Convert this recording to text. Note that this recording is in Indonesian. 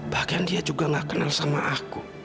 bahkan dia juga gak kenal sama aku